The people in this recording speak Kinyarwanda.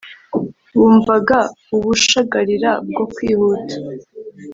wumvaga ubushagarira bwo kwihuta